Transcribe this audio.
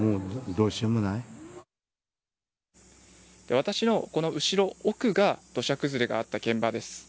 私のこの後ろ奥が土砂崩れがあった現場です。